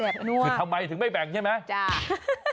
คือทำไมถึงไม่แบ่งใช่ไหม